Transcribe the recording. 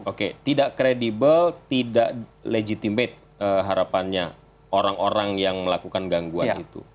oke tidak kredibel tidak legitimate harapannya orang orang yang melakukan gangguan itu